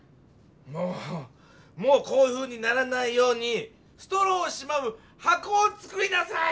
もうもうこういうふうにならないようにストローをしまうはこをつくりなさい！